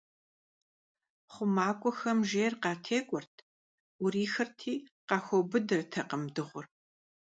Хъумакӏуэхэм жейр къатекӀуэрт, Ӏурихырти, къахуэубыдыртэкъым дыгъур.